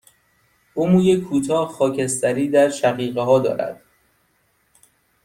او موی کوتاه، خاکستری در شقیقه ها دارد.